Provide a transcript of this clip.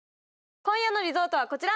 今夜のリゾートはこちら！